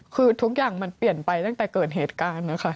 คือทุกอย่างมันเปลี่ยนไปตั้งแต่เกิดเหตุการณ์นะคะ